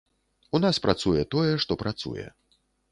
У нас працуе тое, што працуе.